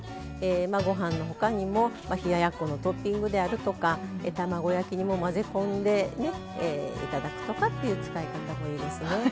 ご飯のほかにも冷ややっこのトッピングであるとか卵焼きにも混ぜ込んでいただくとかっていう使い方もいいですね。